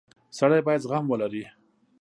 • سړی باید زغم ولري.